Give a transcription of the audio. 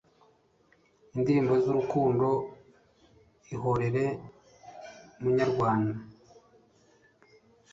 indirimbo z'urukundo ihorere munyarwana